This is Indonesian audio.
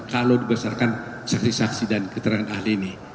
kalau dibesarkan saksi saksi dan keterangan ahli ini